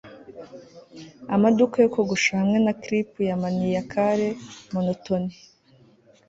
amaduka yo kogosha hamwe na clipi ya maniacal, monotony